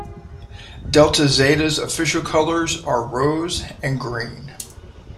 Delta Zeta's official colors are rose and green.